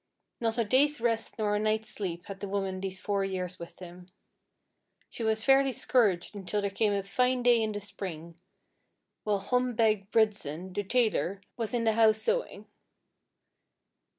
Not a day's rest nor a night's sleep had the woman these four years with him. She was fairly scourged until there came a fine day in the spring, while Hom Beg Bridson, the tailor, was in the house sewing.